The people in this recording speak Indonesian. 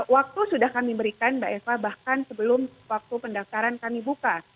waktu sudah kami berikan mbak eva bahkan sebelum waktu pendaftaran kami buka